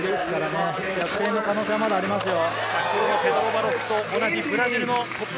逆転の可能性はまだありますよ。